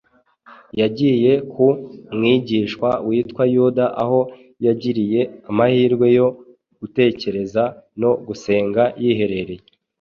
yagiye ku mwigishwa witwa Yuda aho yagiriye amahirwe yo gutekereza no gusenga yiherereye.